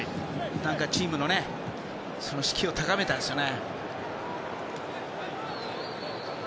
チームの士気を高めたんですかね。